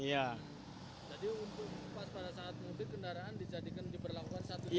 jadi pas pada saat mobil kendaraan dijadikan diberlakukan satu jalur